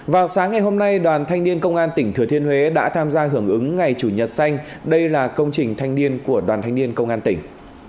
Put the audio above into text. vào sáng ngày hôm nay đoàn thanh niên công an tỉnh thừa thiên huế đã tham gia hưởng ứng ngày chủ nhật xanh đây là công trình thanh niên của đoàn thanh niên công an tỉnh